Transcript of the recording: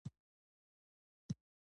د شیطان غوږونه دي کاڼه وي او زه ژغورم.